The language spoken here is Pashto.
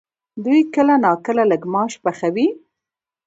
دوی کله ناکله لړماش پخوي؟